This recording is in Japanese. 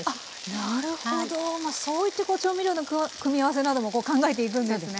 なるほどそうやってこう調味料の組み合わせなども考えていくんですね。